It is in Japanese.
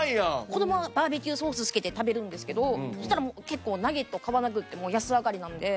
子どもはバーベキューソースつけて食べるんですけどそしたらもう結構ナゲットを買わなくても安上がりなので。